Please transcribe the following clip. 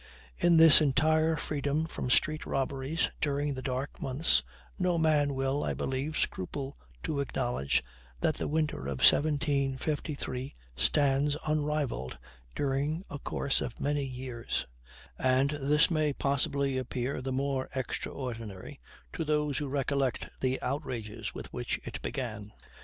In this entire freedom from street robberies, during the dark months, no man will, I believe, scruple to acknowledge that the winter of 1753 stands unrivaled, during a course of many years; and this may possibly appear the more extraordinary to those who recollect the outrages with which it began.